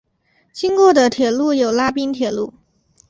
经过的铁路有拉滨铁路。